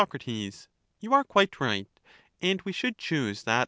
Sac, You are quite right, and we should choose that